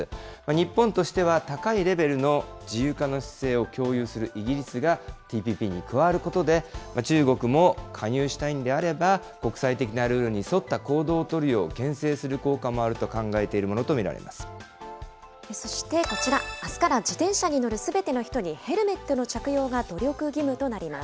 日本としては、高いレベルの自由化の姿勢を共有するイギリスがＴＰＰに加わることで、中国も加入したいんであれば、国際的なルールに沿った行動を取るようけん制する効果もあると考そしてこちら、あすから自転車に乗るすべての人にヘルメットの着用が努力義務となります。